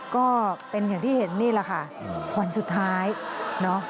ก็เป็นอย่างที่เห็นนี่แหละค่ะวันสุดท้ายเนอะ